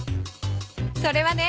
それはね